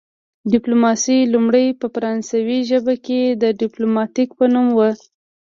ډیپلوماسي لومړی په فرانسوي ژبه کې د ډیپلوماتیک په نوم وه